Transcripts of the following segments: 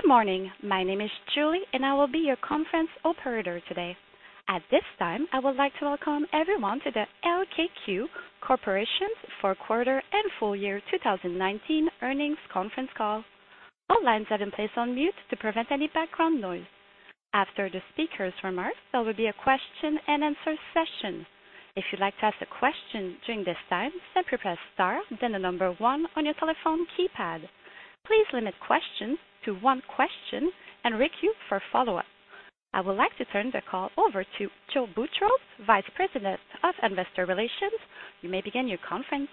Good morning. My name is Julie, and I will be your Conference Operator today. At this time, I would like to Welcome everyone to the LKQ Corporation's Fourth Quarter and Full Year 2019 Earnings Conference Call. All lines have been placed on mute to prevent any background noise. After the speakers remark, there will be a question and answer session. If you'd like to ask a question during this time, simply press star then the number one on your telephone keypad. Please limit questions to one question and queue for a follow-up. I would like to turn the call over to Joe Boutross, Vice President of Investor Relations. You may begin your conference.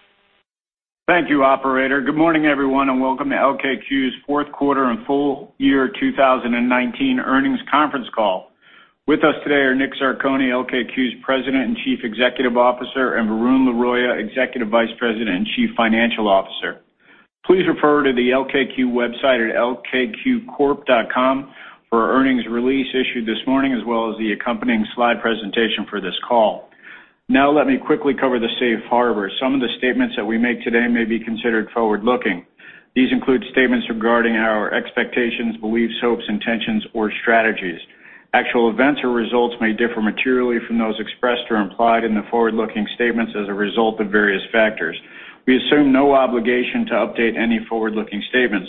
Thank you, Operator. Good morning, everyone, and welcome to LKQ's Fourth Quarter and Full Year 2019 Earnings Conference Call. With us today are Nick Zarcone, LKQ's President and Chief Executive Officer, and Varun Laroyia, Executive Vice President and Chief Financial Officer. Please refer to the LKQ website at lkqcorp.com for earnings release issued this morning, as well as the accompanying slide presentation for this call. Now let me quickly cover the Safe Harbor. Some of the statements that we make today may be considered forward-looking. These include statements regarding our expectations, beliefs, hopes, intentions, or strategies. Actual events or results may differ materially from those expressed or implied in the forward-looking statements as a result of various factors. We assume no obligation to update any forward-looking statements.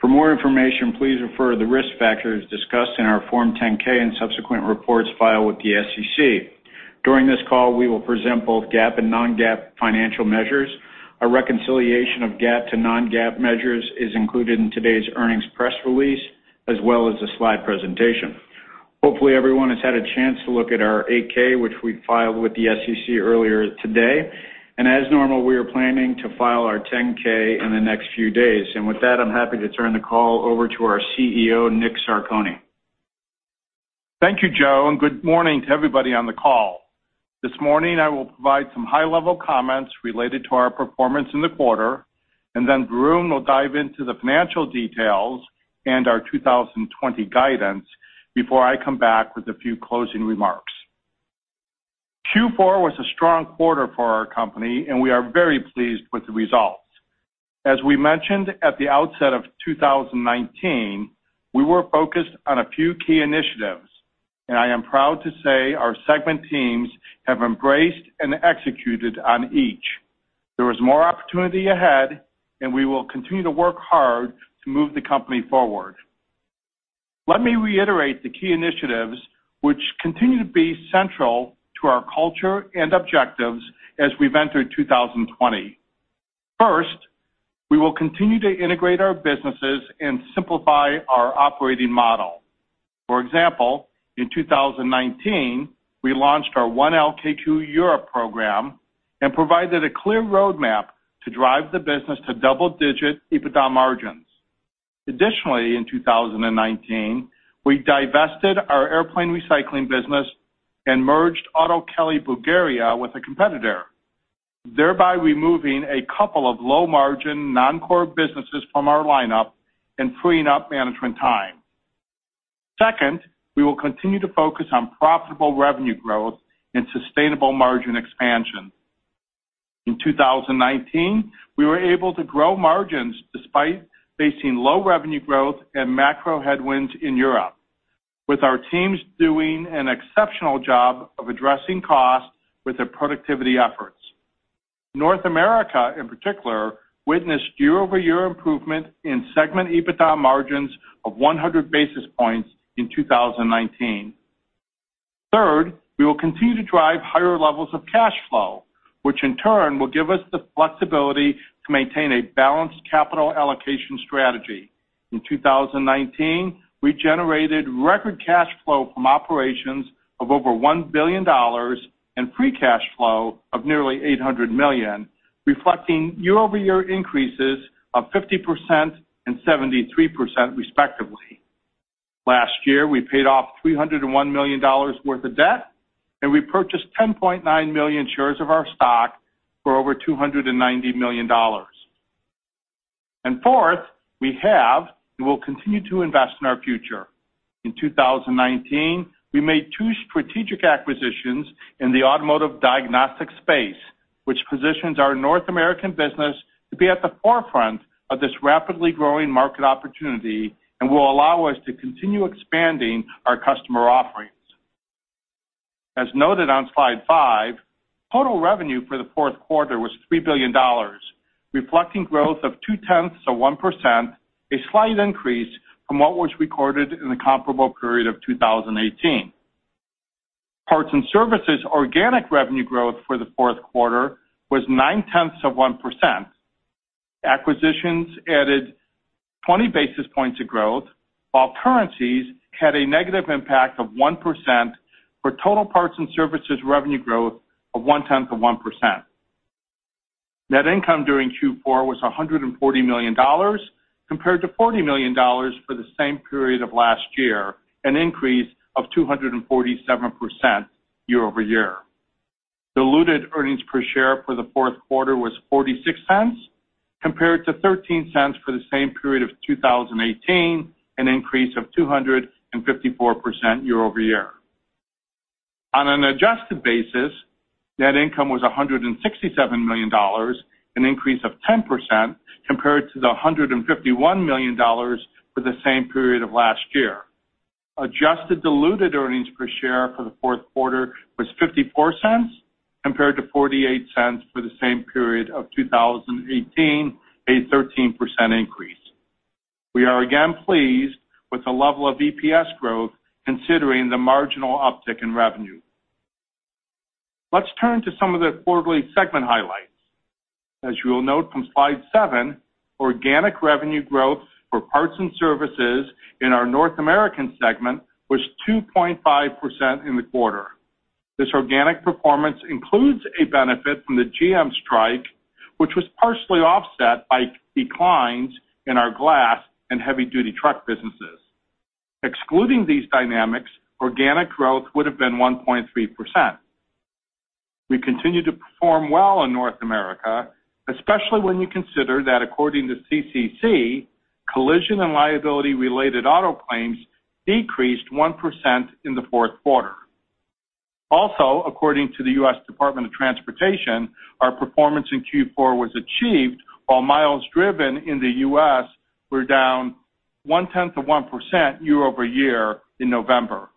For more information, please refer to the risk factors discussed in our Form 10-K and subsequent reports filed with the SEC. During this call, we will present both GAAP and non-GAAP financial measures. A reconciliation of GAAP to non-GAAP measures is included in today's earnings press release, as well as the slide presentation. Hopefully, everyone has had a chance to look at our 8-K, which we filed with the SEC earlier today. As normal, we are planning to file our 10-K in the next few days. With that, I'm happy to turn the call over to our CEO, Nick Zarcone. Thank you, Joe. Good morning to everybody on the call. This morning, I will provide some high-level comments related to our performance in the quarter, and then Varun will dive into the financial details and our 2020 guidance before I come back with a few closing remarks. Q4 was a strong quarter for our company, and we are very pleased with the results. As we mentioned at the outset of 2019, we were focused on a few key initiatives, and I am proud to say our segment teams have embraced and executed on each. There is more opportunity ahead, and we will continue to work hard to move the company forward. Let me reiterate the key initiatives which continue to be central to our culture and objectives as we've entered 2020. First, we will continue to integrate our businesses and simplify our operating model. For example, in 2019, we launched our 1 LKQ Europe program and provided a clear roadmap to drive the business to double-digit EBITDA margins. Additionally, in 2019, we divested our airplane recycling business and merged Auto Kelly Bulgaria with a competitor, thereby removing a couple of low-margin, non-core businesses from our lineup and freeing up management time. Second, we will continue to focus on profitable revenue growth and sustainable margin expansion. In 2019, we were able to grow margins despite facing low revenue growth and macro headwinds in Europe, with our teams doing an exceptional job of addressing costs with their productivity efforts. North America, in particular, witnessed year-over-year improvement in Segment EBITDA margins of 100 basis points in 2019. Third, we will continue to drive higher levels of cash flow, which in turn will give us the flexibility to maintain a balanced capital allocation strategy. In 2019, we generated record cash flow from operations of over $1 billion, and free cash flow of nearly $800 million, reflecting year-over-year increases of 50% and 73% respectively. Last year, we paid off $301 million worth of debt, and we purchased 10.9 million shares of our stock for over $290 million. Fourth, we have and will continue to invest in our future. In 2019, we made two strategic acquisitions in the automotive diagnostic space, which positions our North American business to be at the forefront of this rapidly growing market opportunity and will allow us to continue expanding our customer offerings. As noted on slide five, total revenue for the fourth quarter was $3 billion, reflecting growth of two-tenths of 1%, a slight increase from what was recorded in the comparable period of 2018. Parts and services organic revenue growth for the fourth quarter was 0.9%. Acquisitions added 20 basis points of growth, while currencies had a negative impact of 1% for total parts and services revenue growth of 0.1%. Net income during Q4 was $140 million, compared to 40 million for the same period of last year, an increase of 247% year-over-year. Diluted earnings per share for the fourth quarter was $0.46, compared to 0.13 for the same period of 2018, an increase of 254% year-over-year. On an adjusted basis, net income was $167 million, an increase of 10% compared to the $151 million for the same period of last year. Adjusted diluted earnings per share for the fourth quarter was $0.54 compared to 0.48 for the same period of 2018, a 13% increase. We are again pleased with the level of EPS growth considering the marginal uptick in revenue. Let's turn to some of the quarterly segment highlights. As you will note from slide seven, organic revenue growth for parts and services in our North American segment was 2.5% in the quarter. This organic performance includes a benefit from the GM strike, which was partially offset by declines in our glass and heavy-duty truck businesses. Excluding these dynamics, organic growth would have been 1.3%. We continue to perform well in North America, especially when you consider that according to CCC, Collision and Liability-related auto claims decreased 1% in the fourth quarter. According to the U.S. Department of Transportation, our performance in Q4 was achieved while miles driven in the U.S. were down 0.1% of 1% year-over-year in November.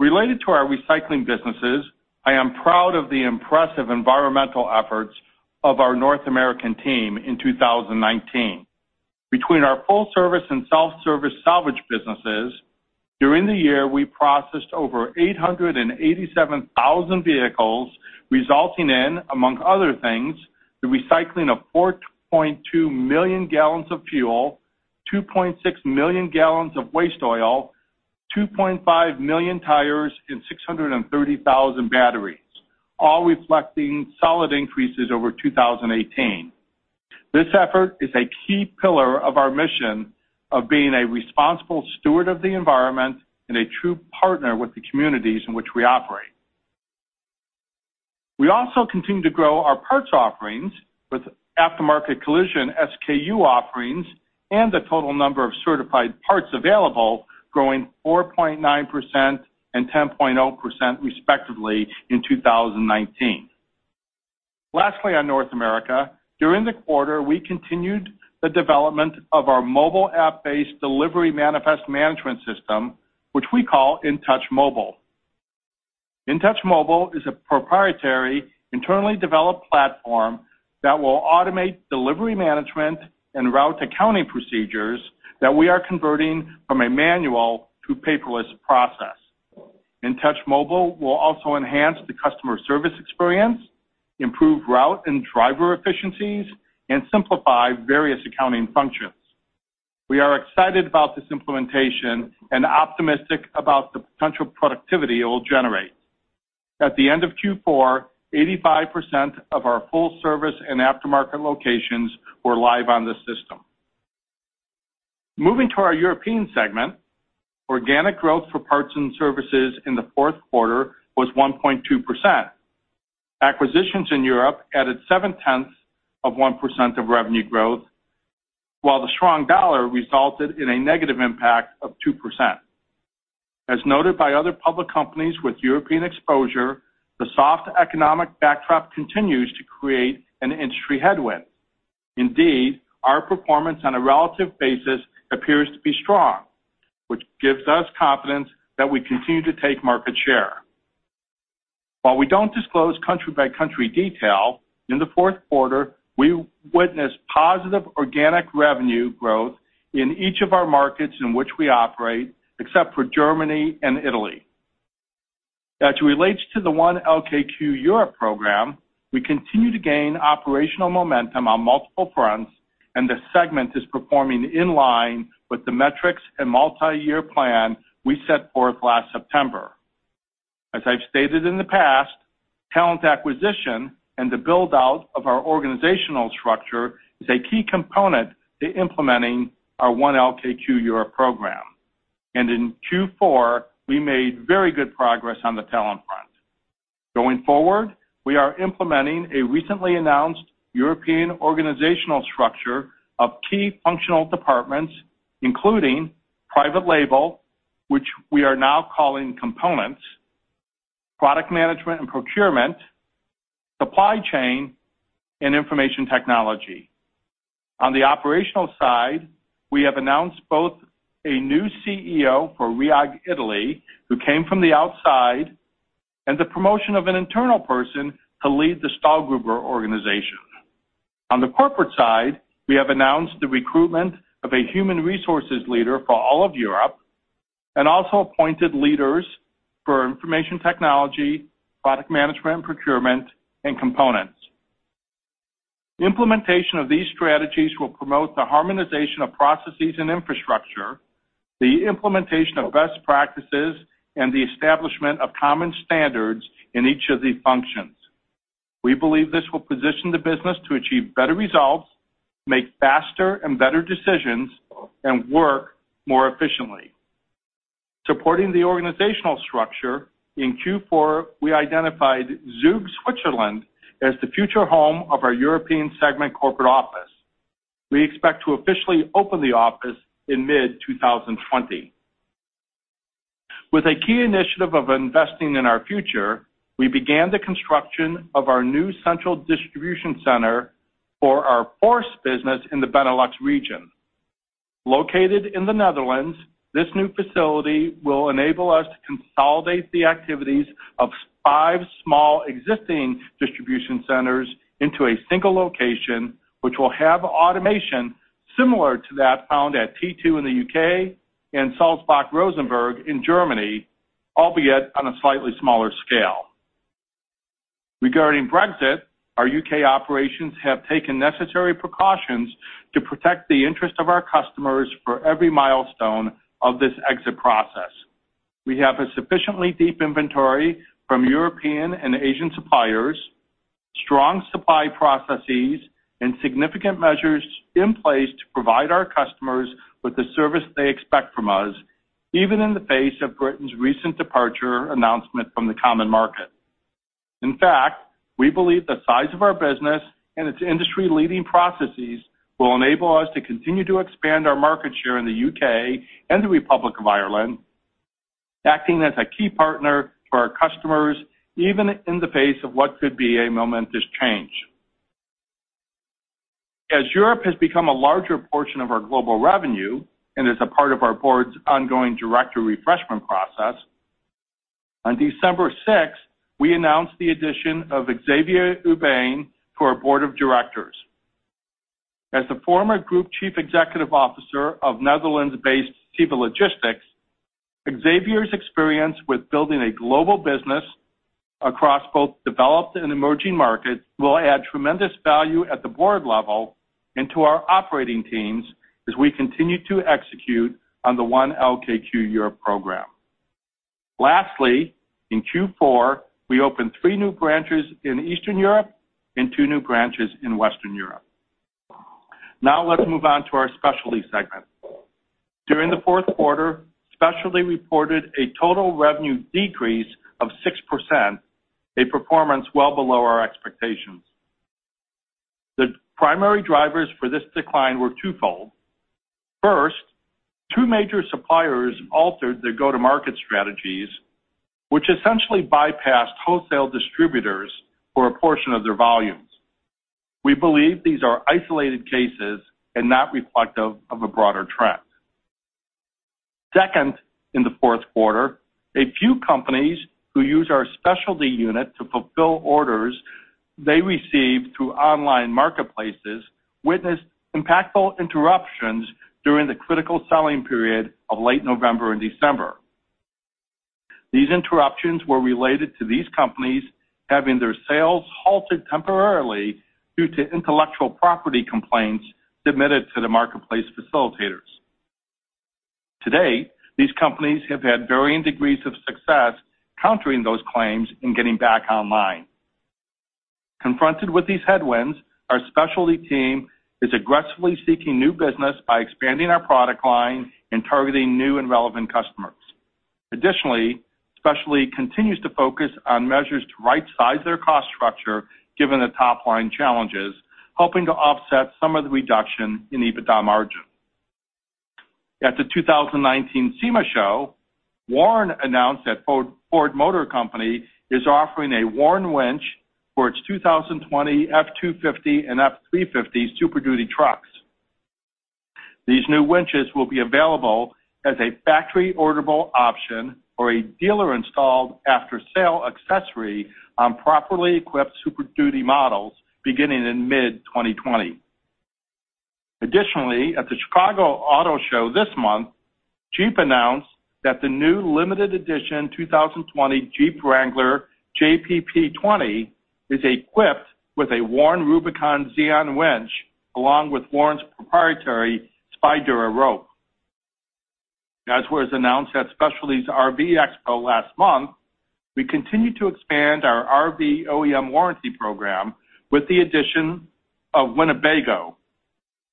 Related to our recycling businesses, I am proud of the impressive environmental efforts of our North American team in 2019. Between our full service and self-service salvage businesses, during the year, we processed over 887,000 vehicles, resulting in, among other things, the recycling of 4.2 million gallons of fuel, 2.6 million gallons of waste oil, 2.5 million tires, and 630,000 batteries, all reflecting solid increases over 2018. This effort is a key pillar of our mission of being a responsible steward of the environment and a true partner with the communities in which we operate. We also continue to grow our parts offerings with aftermarket collision SKU offerings and the total number of certified parts available, growing 4.9% and 10.0% respectively in 2019. Lastly, on North America, during the quarter, we continued the development of our mobile app-based delivery manifest management system, which we call InTouch Mobile. InTouch Mobile is a proprietary, internally developed platform that will automate delivery management and route accounting procedures that we are converting from a manual to paperless process. InTouch Mobile will also enhance the customer service experience, improve route and driver efficiencies, and simplify various accounting functions. We are excited about this implementation and optimistic about the potential productivity it will generate. At the end of Q4, 85% of our full service and aftermarket locations were live on the system. Moving to our European segment, organic growth for parts and services in the fourth quarter was 1.2%. Acquisitions in Europe added 0.7% of revenue growth, while the strong dollar resulted in a negative impact of 2%. As noted by other public companies with European exposure, the soft economic backdrop continues to create an industry headwind. Indeed, our performance on a relative basis appears to be strong, which gives us confidence that we continue to take market share. While we don't disclose country by country detail, in the fourth quarter, we witnessed positive organic revenue growth in each of our markets in which we operate, except for Germany and Italy. As it relates to the 1 LKQ Europe program, we continue to gain operational momentum on multiple fronts, and the segment is performing in line with the metrics and multi-year plan we set forth last September. As I've stated in the past, talent acquisition and the build-out of our organizational structure is a key component to implementing our 1 LKQ Europe program. And in Q4, we made very good progress on the talent front. Going forward, we are implementing a recently announced European organizational structure of key functional departments, including private label, which we are now calling Components, product management and procurement, supply chain, and information technology. On the operational side, we have announced both a new CEO for Rhiag Italy, who came from the outside, and the promotion of an internal person to lead the Stahlgruber organization. On the corporate side, we have announced the recruitment of a human resources leader for all of Europe, and also appointed leaders for information technology, product management and procurement, and Components. Implementation of these strategies will promote the harmonization of processes and infrastructure, the implementation of best practices, and the establishment of common standards in each of these functions. We believe this will position the business to achieve better results, make faster and better decisions, and work more efficiently. Supporting the organizational structure, in Q4, we identified Zug, Switzerland as the future home of our European segment corporate office. We expect to officially open the office in mid-2020. With a key initiative of investing in our future, we began the construction of our new central distribution center for our Fource business in the Benelux region. Located in the Netherlands, this new facility will enable us to consolidate the activities of five small existing distribution centers into a single location, which will have automation similar to that found at T2 in the U.K. and Sulzbach-Rosenberg in Germany, albeit on a slightly smaller scale. Regarding Brexit, our U.K. operations have taken necessary precautions to protect the interest of our customers for every milestone of this exit process. We have a sufficiently deep inventory from European and Asian suppliers, strong supply processes, and significant measures in place to provide our customers with the service they expect from us, even in the face of Britain's recent departure announcement from the common market. In fact, we believe the size of our business and its industry-leading processes will enable us to continue to expand our market share in the U.K. and the Republic of Ireland, acting as a key partner for our customers, even in the face of what could be a momentous change. As Europe has become a larger portion of our global revenue and is a part of our board's ongoing director refreshment process, on December 6th, we announced the addition of Xavier Urbain to our Board of Directors. As the Former Group Chief Executive Officer of Netherlands-based CEVA Logistics, Xavier's experience with building a global business across both developed and emerging markets will add tremendous value at the board level and to our operating teams as we continue to execute on the 1 LKQ Europe program. In Q4, we opened three new branches in Eastern Europe and two new branches in Western Europe. Let's move on to our specialty segment. During the fourth quarter, specialty reported a total revenue decrease of 6%, a performance well below our expectations. The primary drivers for this decline were twofold. Two major suppliers altered their go-to-market strategies, which essentially bypassed wholesale distributors for a portion of their volumes. We believe these are isolated cases and not reflective of a broader trend. Second, in the fourth quarter, a few companies who use our Specialty unit to fulfill orders they received through online marketplaces witnessed impactful interruptions during the critical selling period of late November and December. These interruptions were related to these companies having their sales halted temporarily due to intellectual property complaints submitted to the marketplace facilitators. To date, these companies have had varying degrees of success countering those claims and getting back online. Confronted with these headwinds, our Specialty team is aggressively seeking new business by expanding our product line and targeting new and relevant customers. Additionally, Specialty continues to focus on measures to rightsize their cost structure given the top-line challenges, hoping to offset some of the reduction in EBITDA margin. At the 2019 SEMA Show, WARN announced that Ford Motor Company is offering a WARN winch for its 2020 F-250 and F-350 Super Duty trucks. These new winches will be available as a factory-orderable option or a dealer-installed after-sale accessory on properly equipped Super Duty models beginning in mid-2020. Additionally, at the Chicago Auto Show this month, Jeep announced that the new limited edition 2020 Jeep Wrangler JPP 20 is equipped with a Warn Rubicon Zeon Winch, along with WARNs proprietary Spydura rope. As was announced at Specialties RV Expo last month, we continue to expand our RV OEM warranty program with the addition of Winnebago.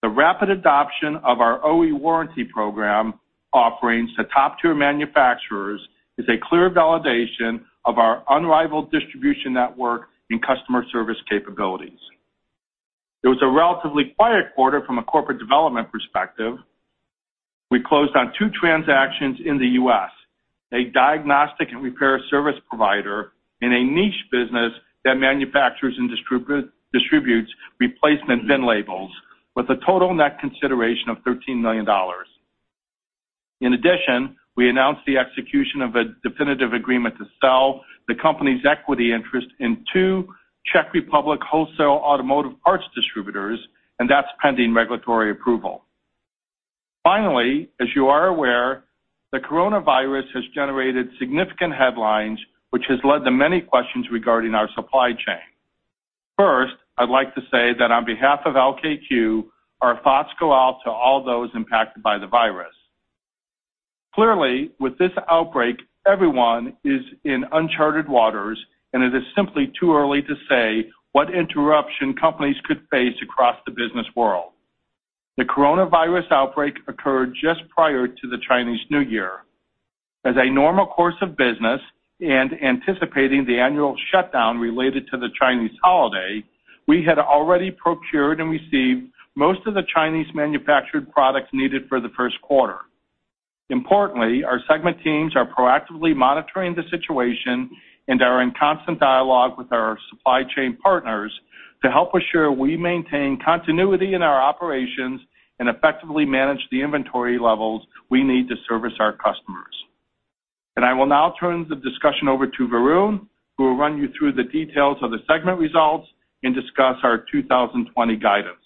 The rapid adoption of our OE warranty program offerings to top-tier manufacturers is a clear validation of our unrivaled distribution network and customer service capabilities. It was a relatively quiet quarter from a corporate development perspective. We closed on two transactions in the U.S., a diagnostic and repair service provider in a niche business that manufactures and distributes replacement VIN labels with a total net consideration of $13 million. In addition, we announced the execution of a definitive agreement to sell the company's equity interest in two Czech Republic wholesale automotive parts distributors. That's pending regulatory approval. Finally, as you are aware, the Coronavirus has generated significant headlines, which has led to many questions regarding our supply chain. First, I'd like to say that on behalf of LKQ, our thoughts go out to all those impacted by the virus. Clearly, with this outbreak, everyone is in uncharted waters, and it is simply too early to say what interruption companies could face across the business world. The Coronavirus outbreak occurred just prior to the Chinese New Year. As a normal course of business and anticipating the annual shutdown related to the Chinese holiday, we had already procured and received most of the Chinese manufactured products needed for the first quarter. Importantly, our segment teams are proactively monitoring the situation and are in constant dialogue with our supply chain partners to help ensure we maintain continuity in our operations and effectively manage the inventory levels we need to service our customers. I will now turn the discussion over to Varun, who will run you through the details of the segment results and discuss our 2020 guidance.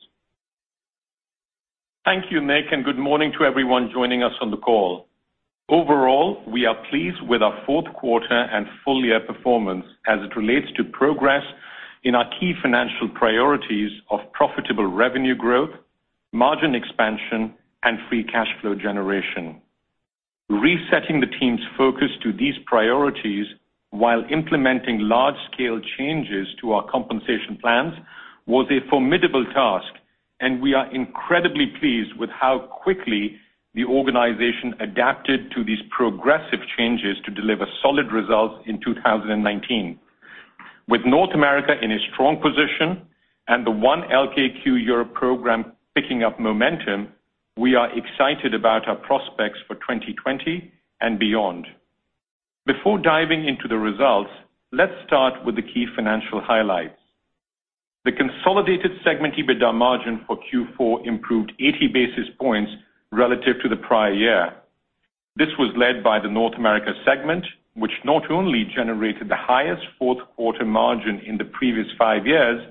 Thank you, Nick, good morning to everyone joining us on the call. Overall, we are pleased with our fourth quarter and full year performance as it relates to progress in our key financial priorities of profitable revenue growth, margin expansion, and free cash flow generation. Resetting the team's focus to these priorities while implementing large-scale changes to our compensation plans was a formidable task, we are incredibly pleased with how quickly the organization adapted to these progressive changes to deliver solid results in 2019. With North America in a strong position and the 1 LKQ Europe program picking up momentum, we are excited about our prospects for 2020 and beyond. Before diving into the results, let's start with the key financial highlights. The consolidated Segment EBITDA margin for Q4 improved 80 basis points relative to the prior year. This was led by the North America segment, which not only generated the highest fourth quarter margin in the previous five years,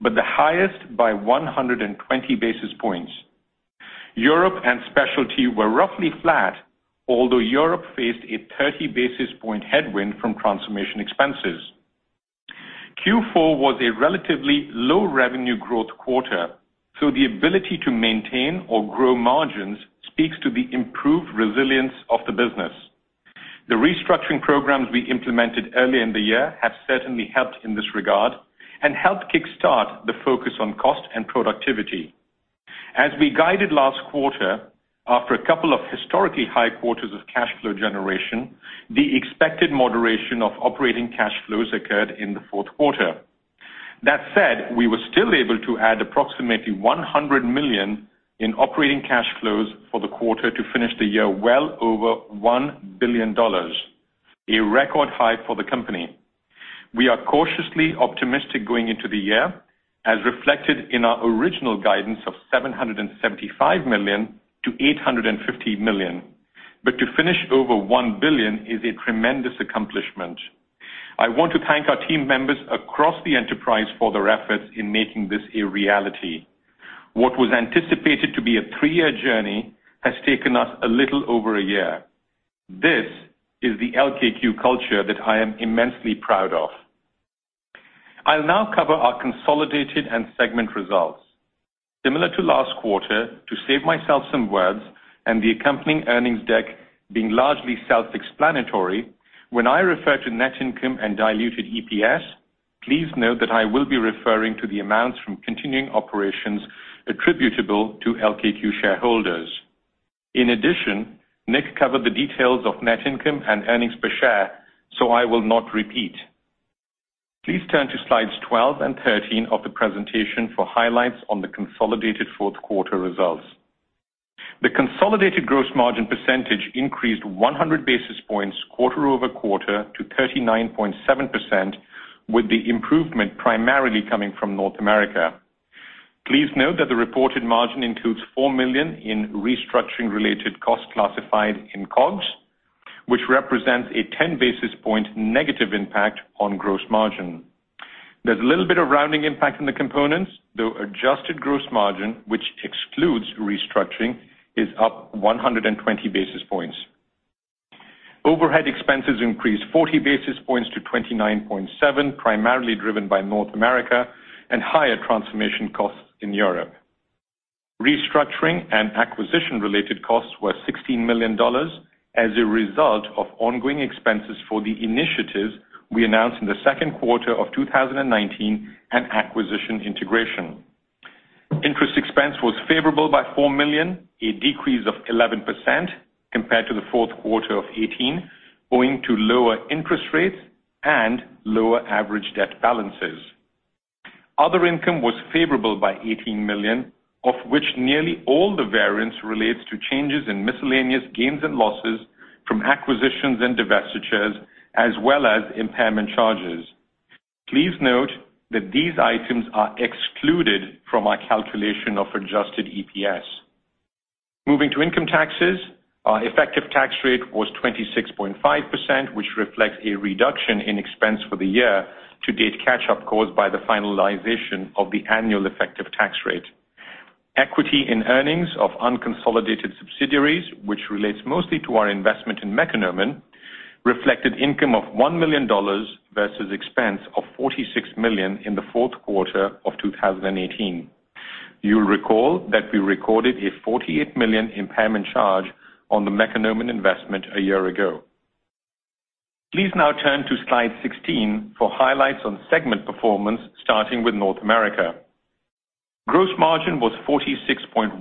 but the highest by 120 basis points. Europe and Specialty were roughly flat, although Europe faced a 30 basis point headwind from transformation expenses. Q4 was a relatively low revenue growth quarter, so the ability to maintain or grow margins speaks to the improved resilience of the business. The restructuring programs we implemented early in the year have certainly helped in this regard and helped kickstart the focus on cost and productivity. As we guided last quarter, after a couple of historically high quarters of cash flow generation, the expected moderation of operating cash flows occurred in the fourth quarter. That said, we were still able to add approximately $100 million in operating cash flows for the quarter to finish the year well over $1 billion, a record high for the company. We are cautiously optimistic going into the year, as reflected in our original guidance of $775 million to 850 million. To finish over $1 billion is a tremendous accomplishment. I want to thank our team members across the enterprise for their efforts in making this a reality. What was anticipated to be a three-year journey has taken us a little over one year. This is the LKQ culture that I am immensely proud of. I'll now cover our consolidated and segment results. Similar to last quarter, to save myself some words and the accompanying earnings deck being largely self-explanatory, when I refer to net income and diluted EPS, please note that I will be referring to the amounts from continuing operations attributable to LKQ shareholders. In addition, Nick covered the details of net income and earnings per share. I will not repeat. Please turn to slides 12 and 13 of the presentation for highlights on the consolidated fourth quarter results. The consolidated gross margin increased 100 basis points quarter-over-quarter to 39.7%, with the improvement primarily coming from North America. Please note that the reported margin includes $4 million in restructuring-related costs classified in COGS, which represents a 10 basis point negative impact on gross margin. There's a little bit of rounding impact in the components, though adjusted gross margin, which excludes restructuring, is up 120 basis points. Overhead expenses increased 40 basis points to 29.7%, primarily driven by North America and higher transformation costs in Europe. Restructuring and acquisition-related costs were $16 million as a result of ongoing expenses for the initiatives we announced in the second quarter of 2019 and acquisition integration. Interest expense was favorable by $4 million, a decrease of 11% compared to the fourth quarter of 2018, owing to lower interest rates and lower average debt balances. Other income was favorable by $18 million, of which nearly all the variance relates to changes in miscellaneous gains and losses from acquisitions and divestitures, as well as impairment charges. Please note that these items are excluded from our calculation of adjusted EPS. Moving to income taxes, our effective tax rate was 26.5%, which reflects a reduction in expense for the year-to-date catch-up caused by the finalization of the annual effective tax rate. Equity in earnings of unconsolidated subsidiaries, which relates mostly to our investment in Mekonomen, reflected income of $1 million versus expense of $46 million in the fourth quarter of 2018. You'll recall that we recorded a $48 million impairment charge on the Mekonomen investment a year ago. Please now turn to slide 16 for highlights on segment performance, starting with North America. Gross margin was 46.1%,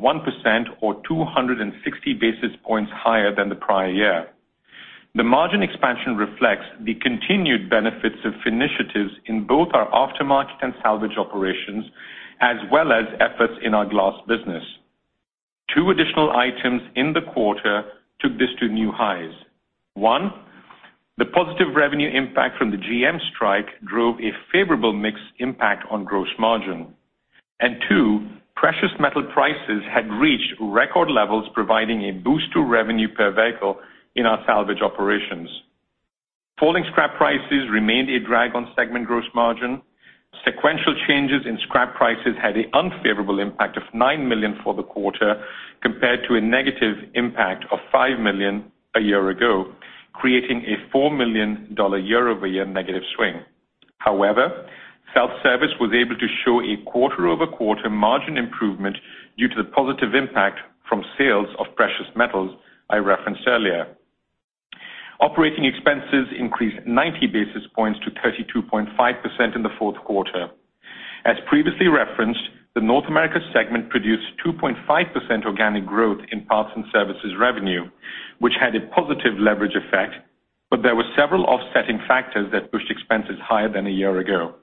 or 260 basis points higher than the prior year. The margin expansion reflects the continued benefits of initiatives in both our aftermarket and salvage operations, as well as efforts in our glass business. Two additional items in the quarter took this to new highs. One, the positive revenue impact from the GM strike drove a favorable mix impact on gross margin. Two, precious metal prices had reached record levels, providing a boost to revenue per vehicle in our salvage operations. Falling scrap prices remained a drag on segment gross margin. Sequential changes in scrap prices had an unfavorable impact of $9 million for the quarter, compared to a negative impact of $5 million a year ago, creating a 4 million year-over-year negative swing. However, self-service was able to show a quarter-over-quarter margin improvement due to the positive impact from sales of precious metals I referenced earlier. Operating expenses increased 90 basis points to 32.5% in the fourth quarter. As previously referenced, the North America segment produced 2.5% organic growth in parts and services revenue, which had a positive leverage effect, but there were several offsetting factors that pushed expenses higher than a year ago.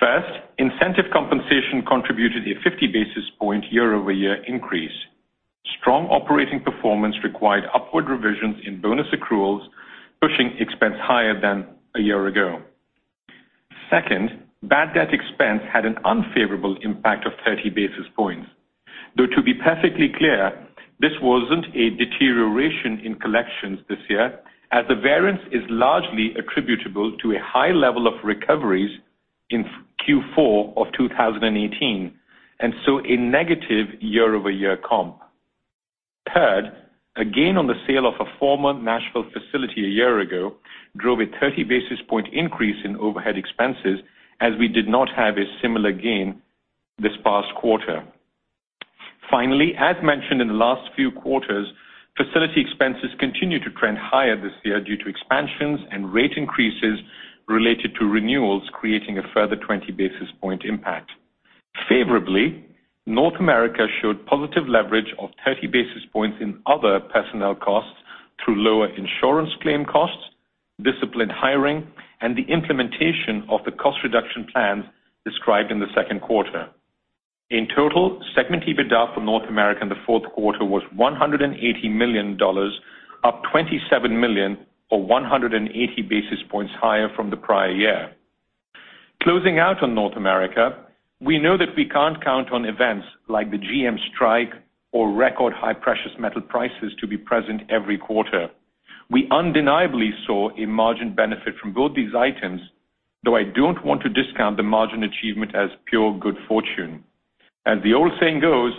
First, incentive compensation contributed a 50 basis point year-over-year increase. Strong operating performance required upward revisions in bonus accruals, pushing expense higher than a year ago. Second, bad debt expense had an unfavorable impact of 30 basis points. To be perfectly clear, this wasn't a deterioration in collections this year, as the variance is largely attributable to a high level of recoveries in Q4 of 2018, a negative year-over-year comp. A gain on the sale of a former Nashville facility a year ago drove a 30 basis point increase in overhead expenses, as we did not have a similar gain this past quarter. As mentioned in the last few quarters, facility expenses continued to trend higher this year due to expansions and rate increases related to renewals, creating a further 20 basis point impact. North America showed positive leverage of 30 basis points in other personnel costs through lower insurance claim costs, disciplined hiring, and the implementation of the cost reduction plans described in the second quarter. In total, Segment EBITDA for North America in the fourth quarter was $180 million, up 27 million, or 180 basis points higher from the prior year. Closing out on North America, we know that we can't count on events like the GM strike or record high precious metal prices to be present every quarter. We undeniably saw a margin benefit from both these items, though I don't want to discount the margin achievement as pure good fortune. As the old saying goes,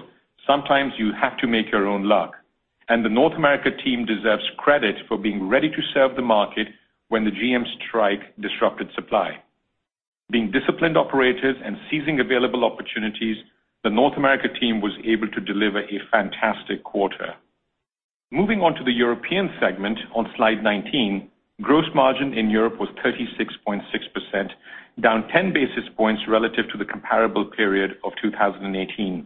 sometimes you have to make your own luck, and the North America team deserves credit for being ready to serve the market when the GM strike disrupted supply. Being disciplined operators and seizing available opportunities, the North America team was able to deliver a fantastic quarter. Moving on to the European Segment on slide 19. Gross margin in Europe was 36.6%, down 10 basis points relative to the comparable period of 2018.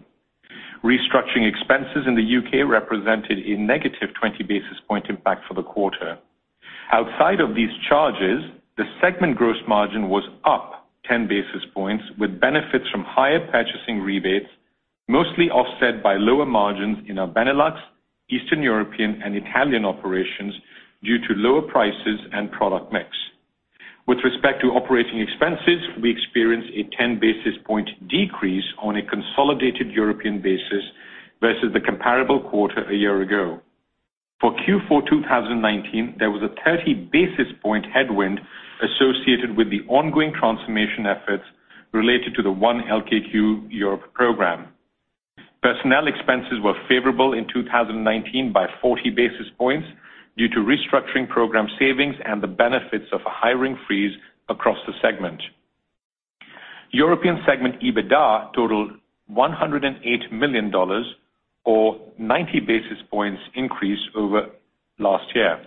Restructuring expenses in the U.K. represented a negative 20 basis point impact for the quarter. Outside of these charges, the segment gross margin was up 10 basis points with benefits from higher purchasing rebates, mostly offset by lower margins in our Benelux, Eastern European, and Italian operations due to lower prices and product mix. With respect to operating expenses, we experienced a 10 basis point decrease on a consolidated European basis versus the comparable quarter a year ago. For Q4 2019, there was a 30 basis point headwind associated with the ongoing transformation efforts related to the 1 LKQ Europe program. Personnel expenses were favorable in 2019 by 40 basis points due to restructuring program savings and the benefits of a hiring freeze across the segment. European Segment EBITDA totaled $108 million, or 90 basis points increase over last year.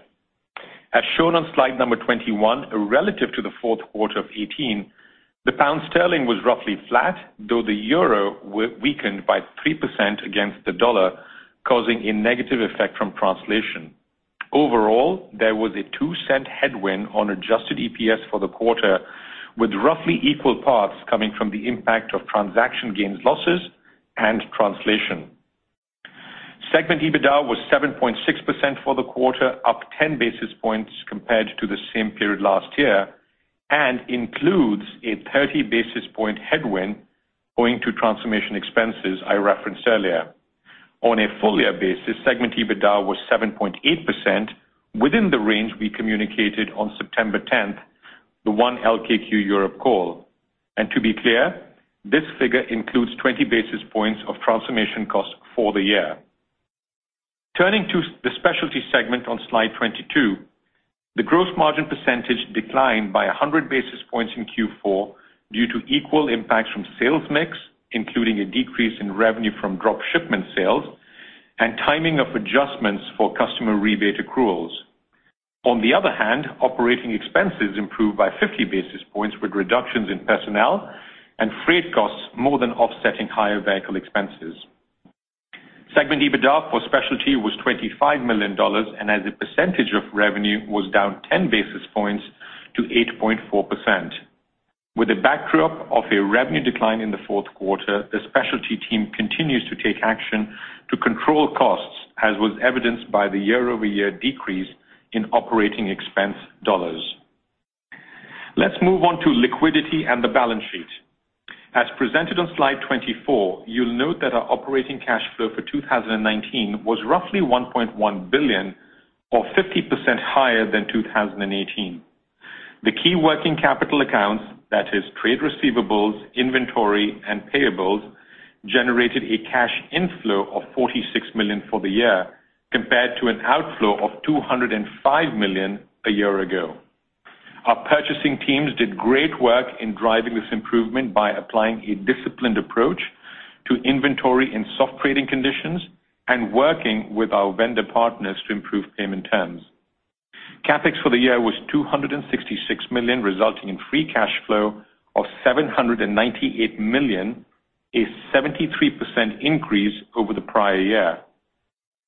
As shown on slide number 21, relative to the fourth quarter of 2018, the pound sterling was roughly flat, though the euro weakened by 3% against the dollar, causing a negative effect from translation. Overall, there was a $0.02 headwind on adjusted EPS for the quarter, with roughly equal parts coming from the impact of transaction gains, losses, and translation. Segment EBITDA was 7.6% for the quarter, up 10 basis points compared to the same period last year, and includes a 30 basis point headwind owing to transformation expenses I referenced earlier. On a full year basis, Segment EBITDA was 7.8%, within the range we communicated on September 10th, the 1 LKQ Europe call. To be clear, this figure includes 20 basis points of transformation cost for the year. Turning to the Specialty segment on slide 22. The gross margin percentage declined by 100 basis points in Q4 due to equal impacts from sales mix, including a decrease in revenue from drop shipment sales and timing of adjustments for customer rebate accruals. On the other hand, operating expenses improved by 50 basis points with reductions in personnel and freight costs more than offsetting higher vehicle expenses. Segment EBITDA for Specialty was $25 million and as a percentage of revenue was down 10 basis points to 8.4%. With a backdrop of a revenue decline in the fourth quarter, the Specialty team continues to take action to control costs, as was evidenced by the year-over-year decrease in operating expense dollars. Let's move on to liquidity and the balance sheet. As presented on slide 24, you'll note that our operating cash flow for 2019 was roughly $1.1 billion, or 50% higher than 2018. The key working capital accounts, that is trade receivables, inventory, and payables, generated a cash inflow of $46 million for the year, compared to an outflow of $205 million a year ago. Our purchasing teams did great work in driving this improvement by applying a disciplined approach to inventory in soft trading conditions and working with our vendor partners to improve payment terms. CapEx for the year was $266 million, resulting in free cash flow of $798 million, a 73% increase over the prior year.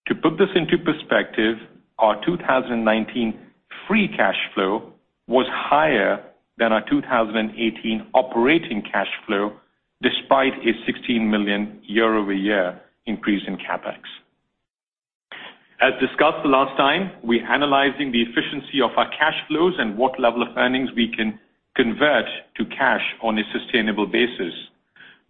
To put this into perspective, our 2019 free cash flow was higher than our 2018 operating cash flow, despite a $16 million year-over-year increase in CapEx. As discussed the last time, we're analyzing the efficiency of our cash flows and what level of earnings we can convert to cash on a sustainable basis.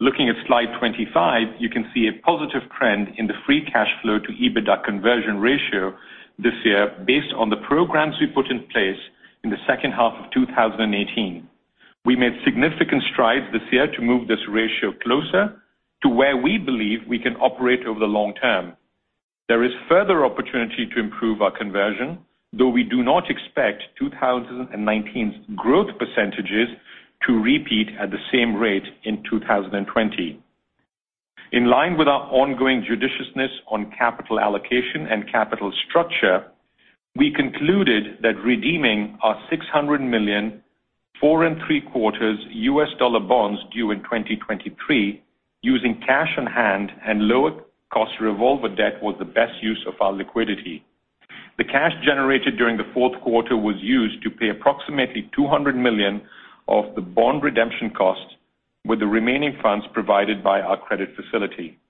Looking at slide 25, you can see a positive trend in the free cash flow to EBITDA conversion ratio this year based on the programs we put in place in the second half of 2018. We made significant strides this year to move this ratio closer to where we believe we can operate over the long term. There is further opportunity to improve our conversion, though we do not expect 2019's growth % to repeat at the same rate in 2020. In line with our ongoing judiciousness on capital allocation and capital structure, we concluded that redeeming our $600 million, four and three quarters U.S. dollar bonds due in 2023 using cash on hand and lower cost revolver debt was the best use of our liquidity. The cash generated during the fourth quarter was used to pay approximately $200 million of the bond redemption cost, with the remaining funds provided by our credit facility.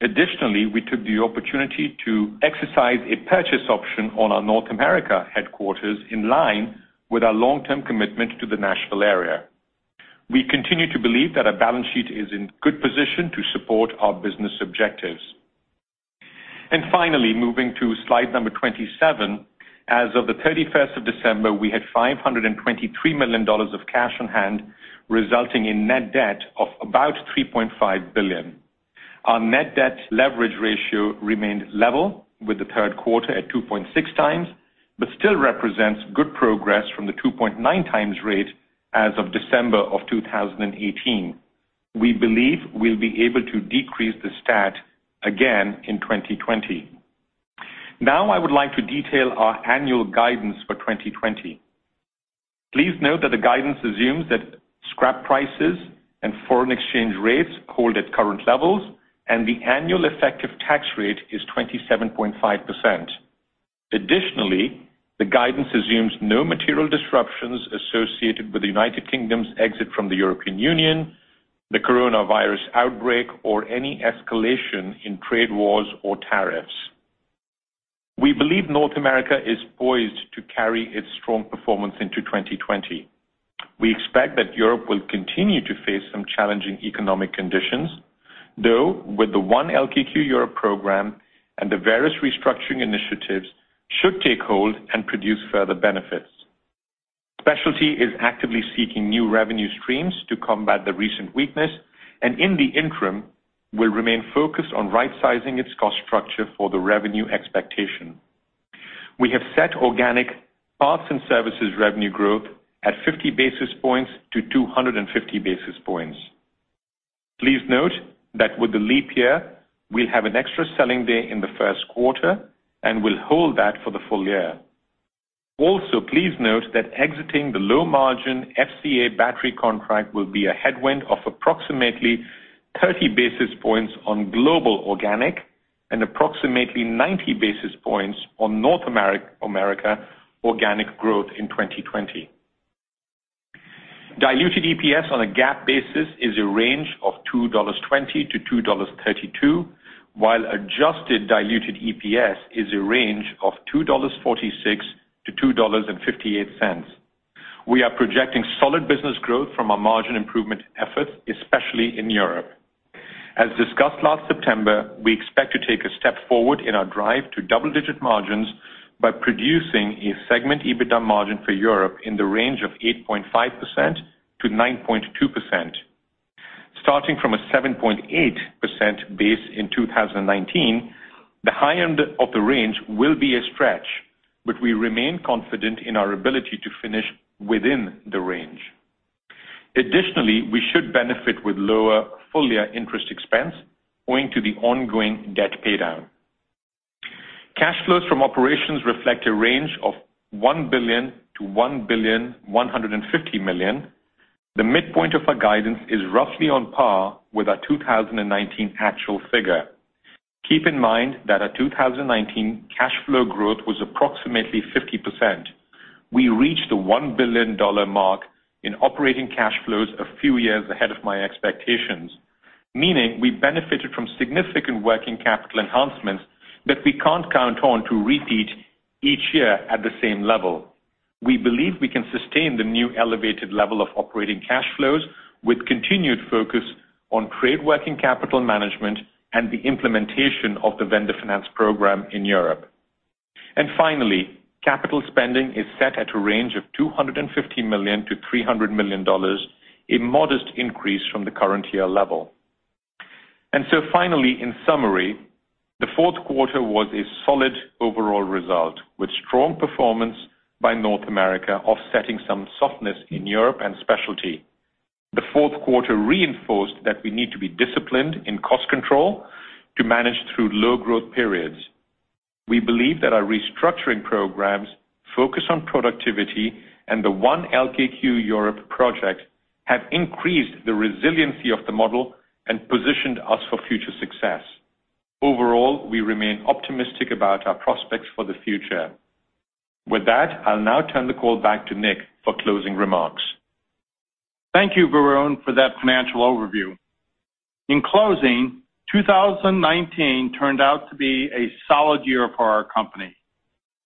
Additionally, we took the opportunity to exercise a purchase option on our North America headquarters in line with our long-term commitment to the Nashville area. We continue to believe that our balance sheet is in good position to support our business objectives. Finally, moving to slide number 27. As of the 31st of December, we had $523 million of cash on hand, resulting in net debt of about $3.5 billion. Our net debt leverage ratio remained level with the third quarter at 2.6x, still represents good progress from the 2.9x rate as of December of 2018. We believe we'll be able to decrease the stat again in 2020. Now I would like to detail our Annual Guidance for 2020. Please note that the guidance assumes that scrap prices and foreign exchange rates hold at current levels and the annual effective tax rate is 27.5%. Additionally, the guidance assumes no material disruptions associated with the United Kingdom's exit from the European Union, the Coronavirus outbreak, or any escalation in trade wars or tariffs. We believe North America is poised to carry its strong performance into 2020. We expect that Europe will continue to face some challenging economic conditions, though with the 1 LKQ Europe program and the various restructuring initiatives should take hold and produce further benefits. Specialty is actively seeking new revenue streams to combat the recent weakness, and in the interim, will remain focused on rightsizing its cost structure for the revenue expectation. We have set organic parts and services revenue growth at 50 basis points to 250 basis points. Please note that with the leap year, we'll have an extra selling day in the first quarter, and we'll hold that for the full year. Also, please note that exiting the low-margin FCA battery contract will be a headwind of approximately 30 basis points on global organic and approximately 90 basis points on North America organic growth in 2020. Diluted EPS on a GAAP basis is a range of $2.20 to 2.32, while adjusted diluted EPS is a range of $2.46 to 2.58. We are projecting solid business growth from our margin improvement efforts, especially in Europe. As discussed last September, we expect to take a step forward in our drive to double-digit margins by producing a Segment EBITDA margin for Europe in the range of 8.5%-9.2%. Starting from a 7.8% base in 2019, the high end of the range will be a stretch, but we remain confident in our ability to finish within the range. Additionally, we should benefit with lower full-year interest expense owing to the ongoing debt pay-down. Cash flows from operations reflect a range of $1 billion to [1 billion, $150 million. The midpoint of our guidance is roughly on par with our 2019 actual figure. Keep in mind that our 2019 cash flow growth was approximately 50%. We reached the $1 billion mark in operating cash flows a few years ahead of my expectations, meaning we benefited from significant working capital enhancements that we can't count on to repeat each year at the same level. We believe we can sustain the new elevated level of operating cash flows with continued focus on trade working capital management and the implementation of the vendor finance program in Europe. Finally, capital spending is set at a range of $250 million to 300 million, a modest increase from the current year level. And so, finally, in summary, the fourth quarter was a solid overall result, with strong performance by North America offsetting some softness in Europe and specialty. The fourth quarter reinforced that we need to be disciplined in cost control to manage through low growth periods. We believe that our restructuring programs focus on productivity and the 1 LKQ Europe projects have increased the resiliency of the model and positioned us for future success. Overall, we remain optimistic about our prospects for the future. With that, I'll now turn the call back to Nick for closing remarks. Thank you, Varun, for that financial overview. In closing, 2019 turned out to be a solid year for our company.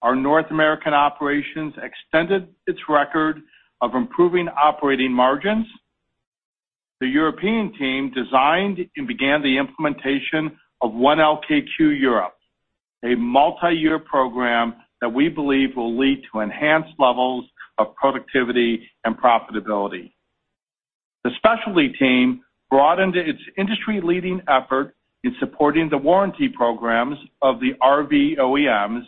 Our North American operations extended its record of improving operating margins. The European team designed and began the implementation of 1 LKQ Europe, a multiyear program that we believe will lead to enhanced levels of productivity and profitability. The specialty team broadened its industry-leading effort in supporting the warranty programs of the RV OEMs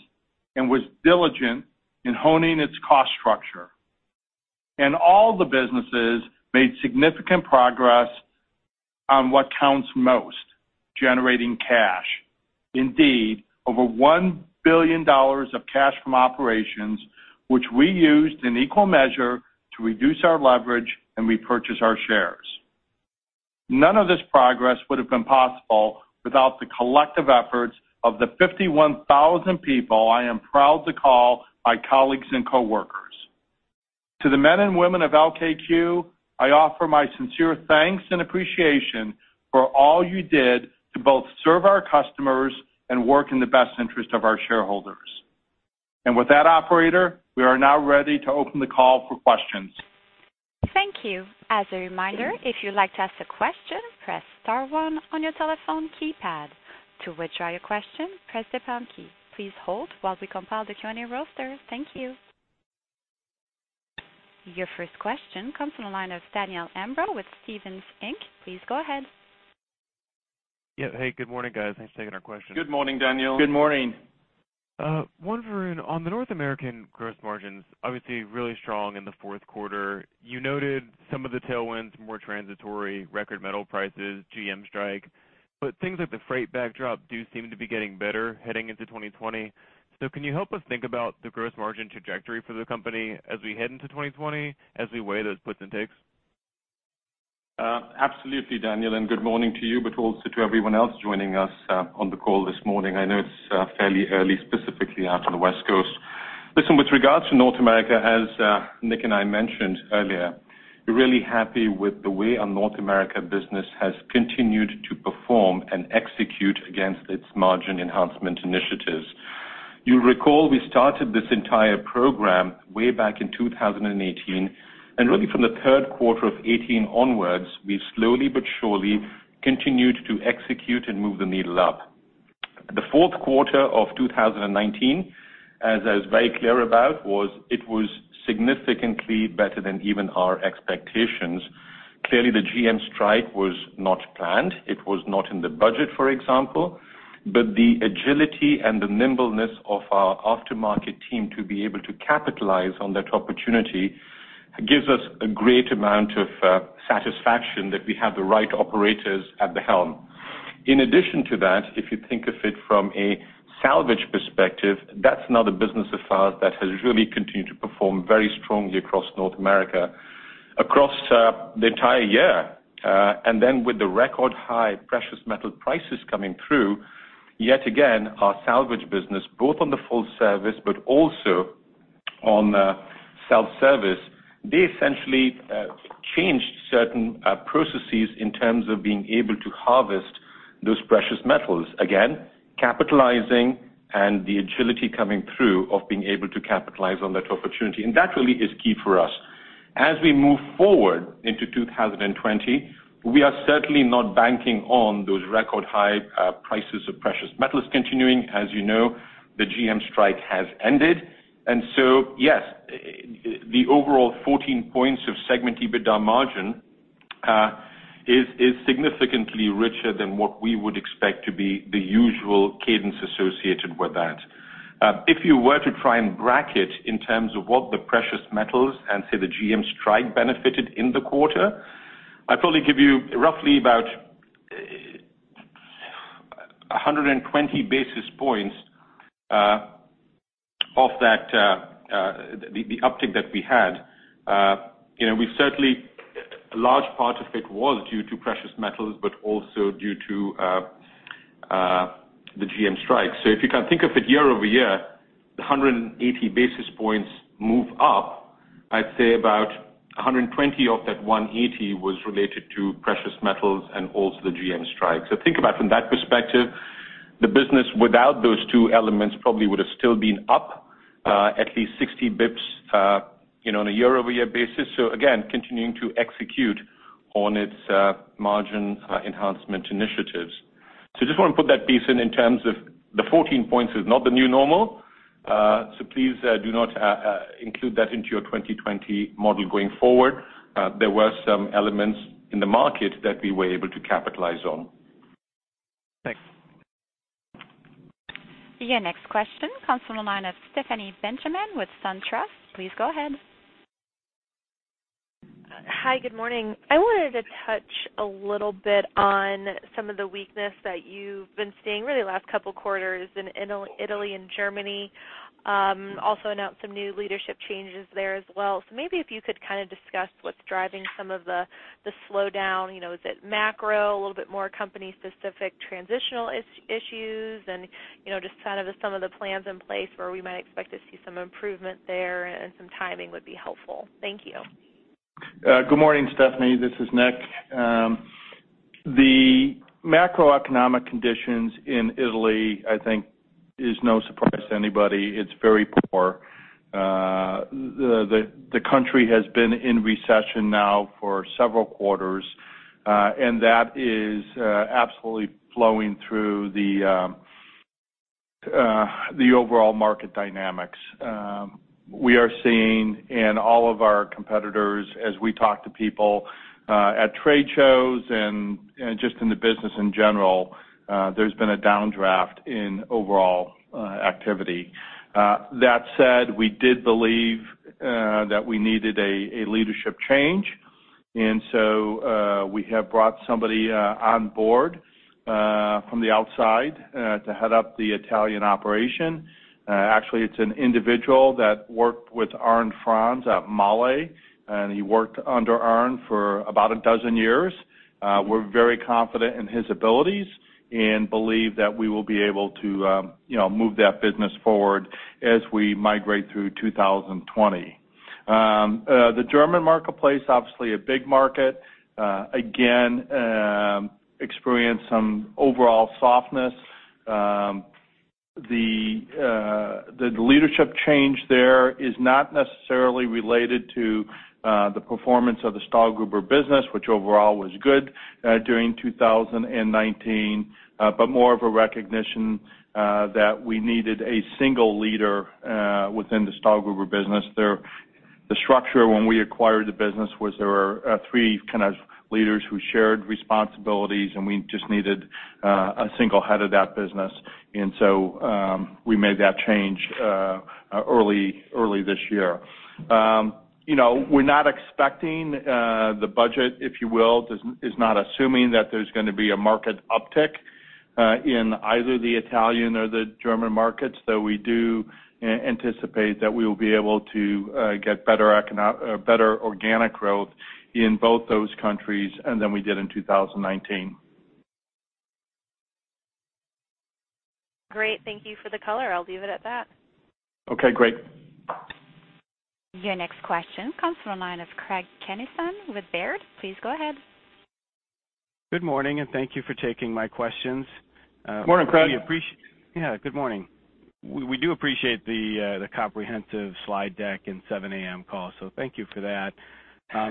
and was diligent in honing its cost structure. All the businesses made significant progress on what counts most, generating cash. Indeed, over $1 billion of cash from operations, which we used in equal measure to reduce our leverage and repurchase our shares. None of this progress would've been possible without the collective efforts of the 51,000 people I am proud to call my colleagues and coworkers. To the men and women of LKQ, I offer my sincere thanks and appreciation for all you did to both serve our customers and work in the best interest of our shareholders. With that Operator, we are now ready to open the call for questions. Thank you. As a reminder, if you'd like to ask a question, press star one on your telephone keypad. To withdraw your question, press the pound key. Please hold while we compile the Q&A roster. Thank you. Your first question comes from the line of Daniel Imbro with Stephens, Inc. Please go ahead. Yeah. Hey, good morning, guys. Thanks for taking our question. Good morning, Daniel. Good morning. Varun, on the North American gross margins, obviously really strong in the fourth quarter. You noted some of the tailwinds, more transitory record metal prices, GM strike. Things like the freight backdrop do seem to be getting better heading into 2020. Can you help us think about the gross margin trajectory for the company as we head into 2020, as we weigh those puts and takes? Absolutely, Daniel, good morning to you, also to everyone else joining us on the call this morning. I know it's fairly early, specifically out on the West Coast. Listen, with regards to North America, as Nick and I mentioned earlier, we're really happy with the way our North America business has continued to perform and execute against its margin enhancement initiatives. You'll recall we started this entire program way back in 2018, really from the third quarter of 2018 onwards, we've slowly but surely continued to execute and move the needle up. The fourth quarter of 2019, as I was very clear about, it was significantly better than even our expectations. Clearly, the GM strike was not planned. It was not in the budget, for example. The agility and the nimbleness of our aftermarket team to be able to capitalize on that opportunity gives us a great amount of satisfaction that we have the right operators at the helm. In addition to that, if you think of it from a salvage perspective, that's another business of ours that has really continued to perform very strongly across North America, across the entire year. With the record high precious metal prices coming through, yet again, our salvage business, both on the full service but also on self-service, they essentially changed certain processes in terms of being able to harvest those precious metals. Again, capitalizing and the agility coming through of being able to capitalize on that opportunity. That really is key for us. As we move forward into 2020, we are certainly not banking on those record high prices of precious metals continuing. As you know, the GM strike has ended. Yes, the overall 14 points of Segment EBITDA margin is significantly richer than what we would expect to be the usual cadence associated with that. If you were to try and bracket in terms of what the precious metals and, say, the GM strike benefited in the quarter, I'd probably give you roughly about 120 basis points of the uptick that we had. A large part of it was due to precious metals, but also due to the GM strike. If you can think of it year-over-year, 180 basis points move up. I'd say about 120 of that 180 was related to precious metals and also the GM strike. Think about from that perspective, the business without those two elements probably would've still been up at least 60 basis points, you know, on a year-over-year basis. Again, continuing to execute on its margin enhancement initiatives. Just want to put that piece in in terms of the 14 points is not the new normal. Please do not include that into your 2020 model going forward. There were some elements in the market that we were able to capitalize on. Thanks. Your next question comes from the line of Stephanie Benjamin with SunTrust. Please go ahead. Hi, good morning. I wanted to touch a little bit on some of the weakness that you've been seeing really last couple of quarters in Italy and Germany. Also announced some new leadership changes there as well. Maybe if you could kind of discuss what's driving some of the slowdown. Is it macro, a little bit more company specific transitional issues? Just kind of some of the plans in place where we might expect to see some improvement there and some timing would be helpful. Thank you. Good morning, Stephanie. This is Nick. The macroeconomic conditions in Italy, I think is no surprise to anybody. It's very poor. The country has been in recession now for several quarters, and that is absolutely flowing through the overall market dynamics. We are seeing in all of our competitors as we talk to people at trade shows and just in the business in general, there's been a downdraft in overall activity. That said, we did believe that we needed a leadership change, and so we have brought somebody on board from the outside to head up the Italian operation. Actually, it's an individual that worked with Arnd Franz at Mahle, and he worked under Arnd for about a dozen years. We're very confident in his abilities and believe that we will be able to move that business forward as we migrate through 2020. The German marketplace, obviously a big market, again, experienced some overall softness. The leadership change there is not necessarily related to the performance of the Stahlgruber business, which overall was good during 2019, but more of a recognition that we needed a single leader within the Stahlgruber business. The structure when we acquired the business was there were three kind of leaders who shared responsibilities, and we just needed a single head of that business. We made that change early this year. The budget, if you will, is not assuming that there's going to be a market uptick in either the Italian or the German markets, though we do anticipate that we will be able to get better organic growth in both those countries than we did in 2019. Great. Thank you for the color. I'll leave it at that. Okay, great. Your next question comes from the line of Craig Kennison with Baird. Please go ahead. Good morning, thank you for taking my questions. Morning, Craig. Yeah. Good morning. We do appreciate the comprehensive slide deck and 7:00 A.M. call, so thank you for that.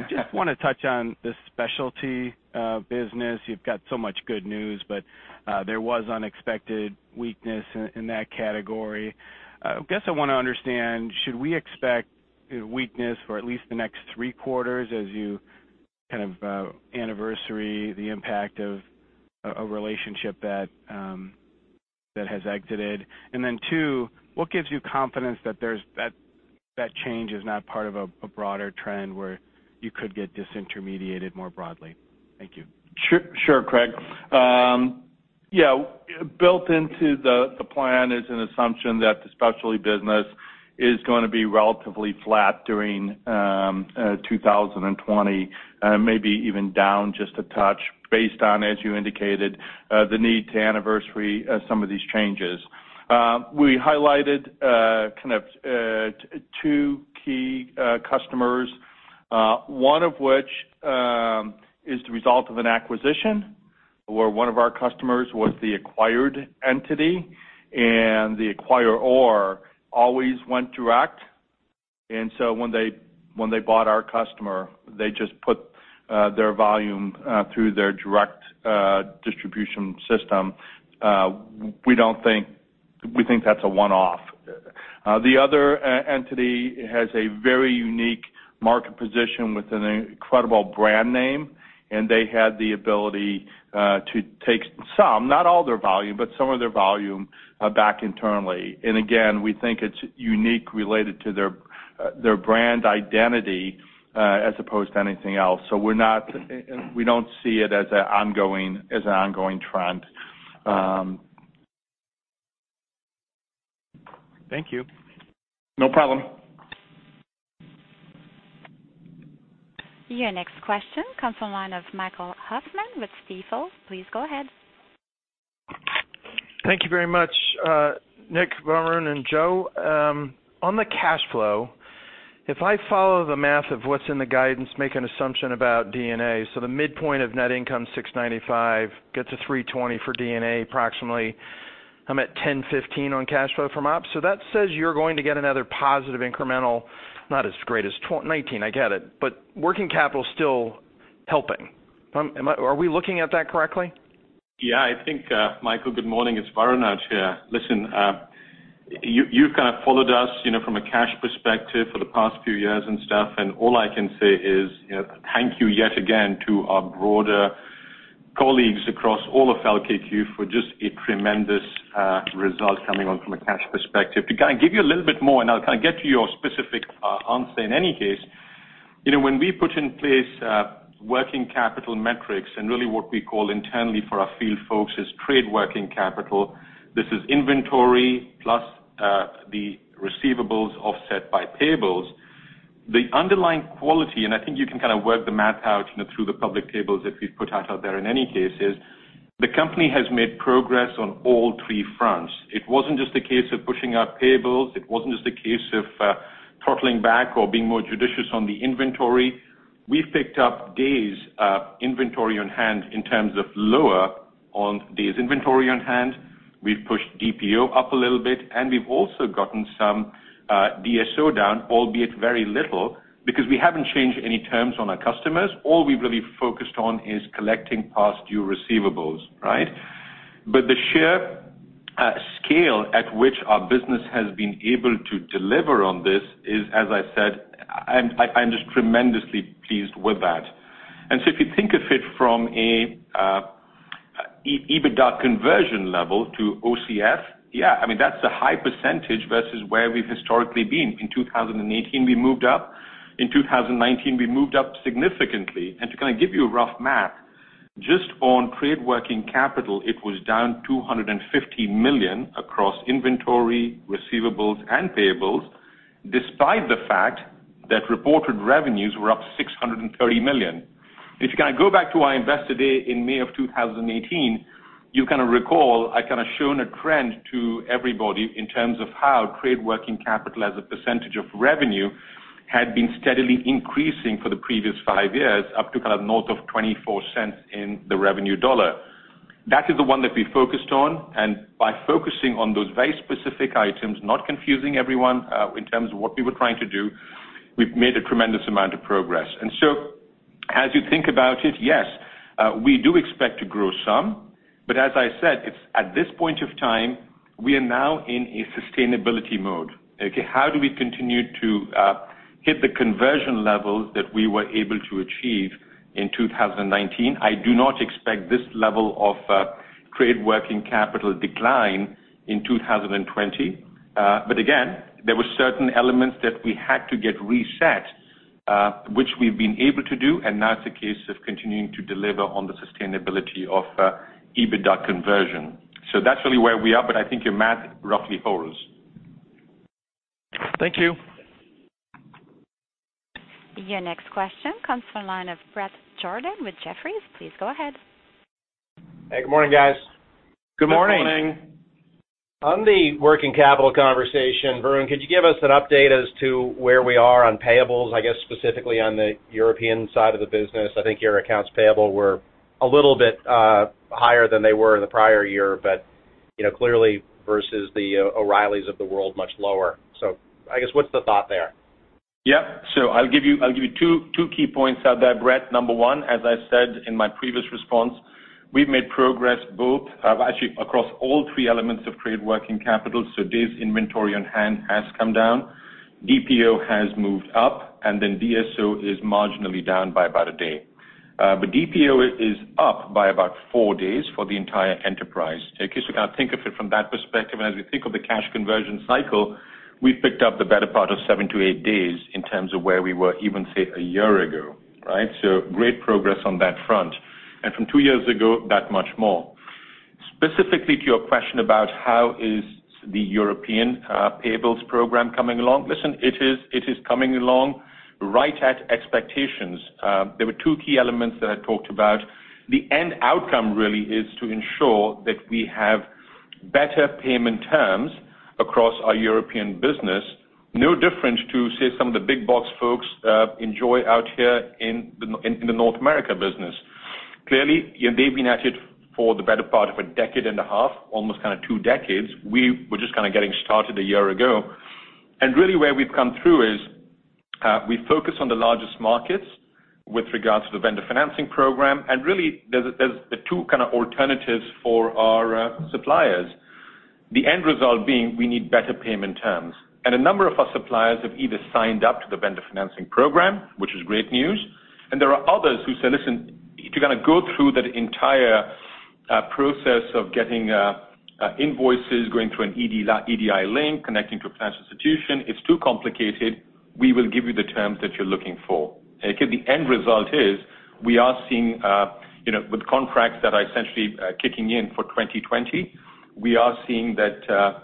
Just want to touch on the specialty business. You've got so much good news, but there was unexpected weakness in that category. I guess I want to understand, should we expect weakness for at least the next three quarters as you kind of anniversary the impact of a relationship that has exited? Two, what gives you confidence that change is not part of a broader trend where you could get disintermediated more broadly? Thank you. Sure, Craig. Built into the plan is an assumption that the specialty business is going to be relatively flat during 2020, maybe even down just a touch based on, as you indicated, the need to anniversary some of these changes. We highlighted kind of two key customers. One of which is the result of an acquisition, where one of our customers was the acquired entity, and the acquirer always went direct. When they bought our customer, they just put their volume through their direct distribution system. We don't think-- we think that's a one-off. The other entity has a very unique market position with an incredible brand name, and they had the ability to take some, not all their volume, but some of their volume back internally. Again, we think it's unique related to their brand identity as opposed to anything else. We don't see it as an ongoing trend. Thank you. No problem. Your next question comes from line of Michael Hoffman with Stifel. Please go ahead. Thank you very much. Nick, Varun, and Joe. On the cash flow, if I follow the math of what's in the guidance, make an assumption about D&A. The midpoint of net income, $695, get to 320 for D&A, approximately. I'm at $1,015 on cash flow from ops. That says you're going to get another positive incremental, not as great as 2019, I get it, but working capital is still helping. Are we looking at that correctly? Yeah, I think, Michael, good morning. It's Varun out here. Listen, you've kind of followed us from a cash perspective for the past few years, all I can say is thank you yet again to our broader colleagues across all of LKQ for just a tremendous result coming on from a cash perspective. To kind of give you a little bit more, I'll kind of get to your specific answer in any case. When we put in place working capital metrics and really what we call internally for our field folks is trade working capital. This is inventory plus the receivables offset by payables. The underlying quality, I think you can kind of work the math out through the public tables that we've put out there in any case, is the company has made progress on all three fronts. It wasn't just a case of pushing out payables. It wasn't just a case of throttling back or being more judicious on the inventory. We've picked up days inventory on hand in terms of lower on days inventory on hand. We've pushed DPO up a little bit, and we've also gotten some DSO down, albeit very little, because we haven't changed any terms on our customers. All we've really focused on is collecting past due receivables, right? The sheer scale at which our business has been able to deliver on this is, as I said, I'm just tremendously pleased with that. If you think of it from an EBITDA conversion level to OCF, yeah, that's a high % versus where we've historically been. In 2018, we moved up. In 2019, we moved up significantly. To kind of give you a rough math, just on trade working capital, it was down $250 million across inventory, receivables, and payables, despite the fact that reported revenues were up $630 million. If you kind of go back to our Investor Day in May of 2018, you kind of recall, I kind of shown a trend to everybody in terms of how trade working capital as a percentage of revenue had been steadily increasing for the previous five years, up to kind of north of $0.24 in the revenue dollar. That is the one that we focused on, and by focusing on those very specific items, not confusing everyone in terms of what we were trying to do, we've made a tremendous amount of progress. As you think about it, yes, we do expect to grow some. But as I said, at this point of time, we are now in a sustainability mode. Okay, how do we continue to hit the conversion levels that we were able to achieve in 2019? I do not expect this level of trade working capital decline in 2020. Again, there were certain elements that we had to get reset, which we've been able to do, and now it's a case of continuing to deliver on the sustainability of EBITDA conversion. That's really where we are, but I think your math roughly holds. Thank you. Your next question comes from the line of Bret Jordan with Jefferies. Please go ahead. Hey, good morning, guys. Good morning. On the working capital conversation, Varun, could you give us an update as to where we are on payables, I guess specifically on the European side of the business? I think your accounts payable were a little bit higher than they were in the prior year, but clearly versus the O'Reilly's of the world, much lower. I guess what's the thought there? I'll give you two key points out there, Bret. Number one, as I said in my previous response, we've made progress actually across all three elements of trade working capital, so days inventory on hand has come down. DPO has moved up, and then DSO is marginally down by about a day. DPO is up by about four days for the entire enterprise. In case you kind of think of it from that perspective, and as we think of the cash conversion cycle, we've picked up the better part of seven to eight days in terms of where we were even, say, a year ago, right? Great progress on that front. From two years ago, that much more. Specifically to your question about how is the European payables program coming along. Listen, it is coming along right at expectations. There were two key elements that I talked about. The end outcome really is to ensure that we have better payment terms across our European business. No different to, say, some of the big box folks enjoy out here in the North America business. Clearly, they've been at it for the better part of a decade and a half, almost kind of two decades. We were just kind of getting started a year ago. Really where we've come through is. We focus on the largest markets with regards to the vendor financing program. Really, there's the two kind of alternatives for our suppliers. The end result being we need better payment terms. A number of our suppliers have either signed up to the vendor financing program, which is great news, and there are others who said, "Listen, if you're going to go through that entire process of getting invoices, going through an EDI link, connecting to a financial institution, it's too complicated. We will give you the terms that you're looking for." The end result is we are seeing with contracts that are essentially kicking in for 2020, we are seeing that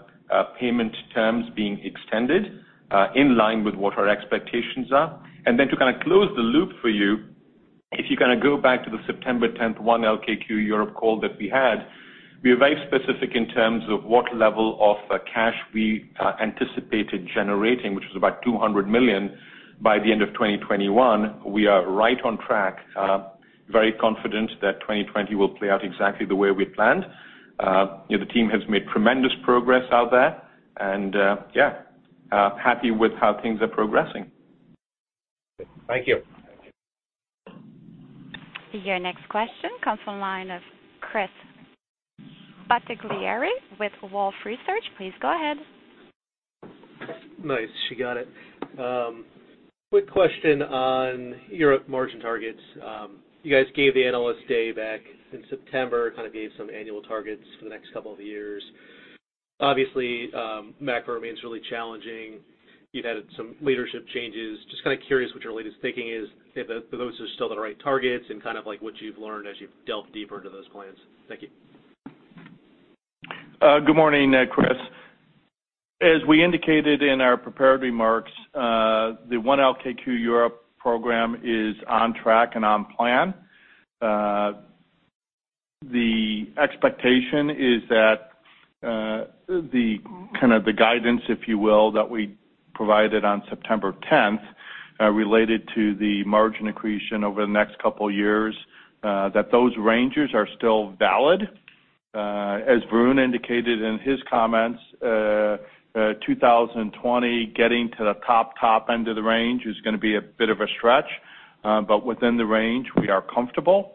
payment terms being extended in line with what our expectations are, and then to kind of close the loop for you, if you kind of go back to the September 10th 1 LKQ Europe call that we had, we were very specific in terms of what level of cash we anticipated generating, which was about $200 million by the end of 2021. We are right on track, very confident that 2020 will play out exactly the way we had planned. The team has made tremendous progress out there, and happy with how things are progressing. Thank you. Your next question comes from the line of Chris Bottiglieri with Wolfe Research. Please go ahead. Nice. She got it. Quick question on Europe margin targets. You guys gave the Analyst Day back in September, kind of gave some annual targets for the next couple of years. Obviously, macro remains really challenging. You've had some leadership changes. Just kind of curious what your latest thinking is, if those are still the right targets, and kind of like what you've learned as you've delved deeper into those plans. Thank you. Good morning, Chris. As we indicated in our prepared remarks, the 1 LKQ Europe program is on track and on plan. The expectation is that the kind of the guidance, if you will, that we provided on September 10th related to the margin accretion over the next couple of years, that those ranges are still valid. As Varun indicated in his comments, 2020 getting to the top end of the range is going to be a bit of a stretch. Within the range, we are comfortable.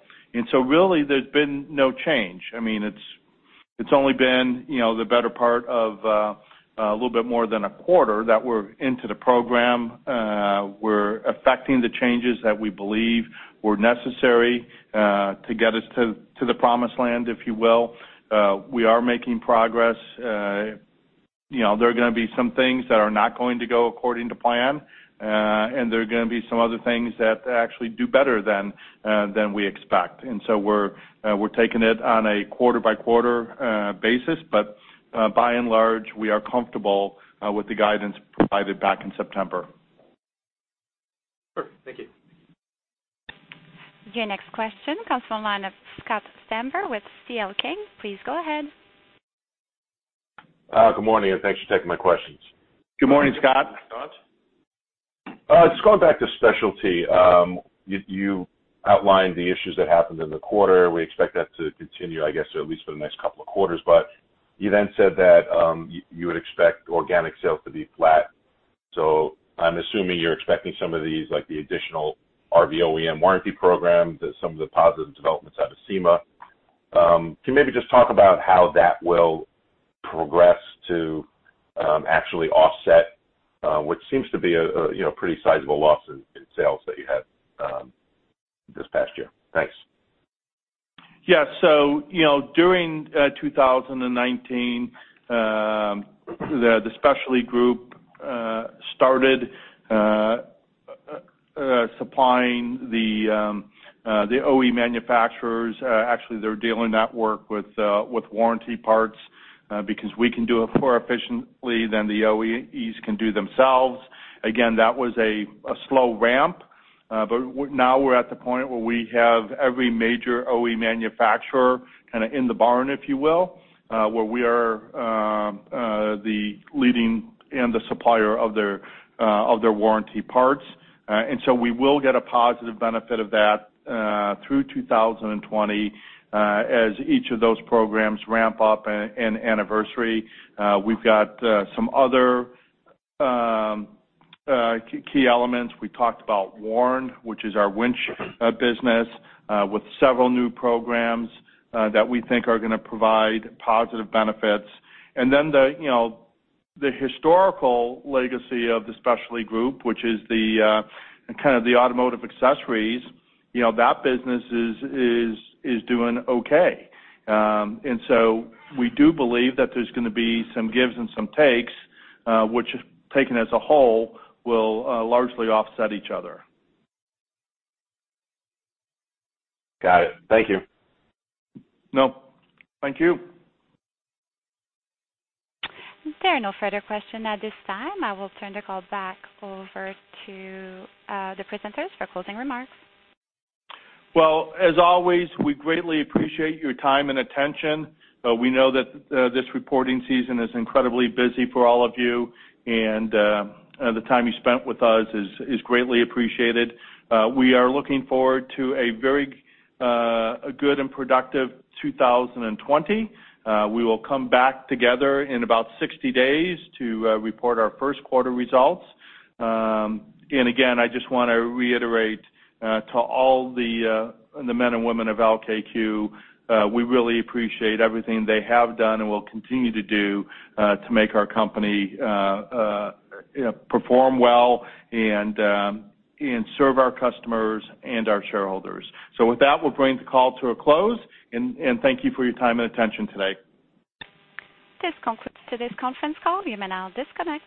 Really, there's been no change. It's only been the better part of a little bit more than a quarter that we're into the program. We're effecting the changes that we believe were necessary to get us to the promised land, if you will. We are making progress, you know, there are going to be some things that are not going to go according to plan, and there are going to be some other things that actually do better than we expect. We're taking it on a quarter-by-quarter basis. By and large, we are comfortable with the guidance provided back in September. Sure. Thank you. Your next question comes from the line of Scott Stember with C.L. King. Please go ahead. Good morning. Thanks for taking my questions. Good morning, Scott. Just going back to Specialty. You outlined the issues that happened in the quarter. We expect that to continue, I guess, at least for the next couple of quarters. You then said that you would expect organic sales to be flat. So, I'm assuming you're expecting some of these, like the additional RV OEM warranty programs, some of the positive developments out of SEMA. Can you maybe just talk about how that will progress to actually offset what seems to be a pretty sizable loss in sales that you had this past year? Thanks. During 2019, the Specialty Group started supplying the OE manufacturers. Actually, their dealer network with warranty parts, because we can do it more efficiently than the OEs can do themselves. Again, that was a slow ramp. Now we're at the point where we have every major OE manufacturer kind of in the barn, if you will, where we are the leading and the supplier of their warranty parts. And so, we will get a positive benefit of that through 2020 as each of those programs ramp up in anniversary. We've got some other key elements. We talked about WARN, which is our winch business with several new programs that we think are going to provide positive benefits. The historical legacy of the Specialty Group, which is the kind of the automotive accessories, that business is doing okay. And so, we do believe that there's going to be some gives and some takes, which taken as a whole, will largely offset each other. Got it. Thank you. No, thank you. There are no further questions at this time. I will turn the call back over to the presenters for closing remarks. Well, as always, we greatly appreciate your time and attention. We know that this reporting season is incredibly busy for all of you, and the time you spent with us is greatly appreciated. We are looking forward to a very good and productive 2020. We will come back together in about 60 days to report our first quarter results. Again, I just want to reiterate to all the men and women of LKQ, we really appreciate everything they have done and will continue to do to make our company perform well and serve our customers and our shareholders. So, with that, we'll bring the call to a close, and thank you for your time and attention today. This concludes today's conference call. You may now disconnect.